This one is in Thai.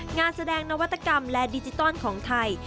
งานแสดงนวัตกรรมและดิจิตอลของไทย